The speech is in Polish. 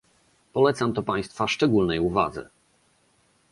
Polecam to państwa szczególnej uwadze